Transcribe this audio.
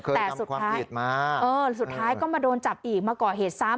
เคยทำความผิดมาเออสุดท้ายก็มาโดนจับอีกมาก่อเหตุซ้ำ